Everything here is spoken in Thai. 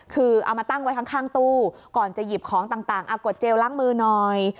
คือเอามาตั้งไว้ข้างตู้ก่อนจะหยิบของต่างกดเจลล้างมือหน่อย